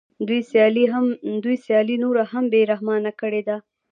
دوی سیالي نوره هم بې رحمانه کړې ده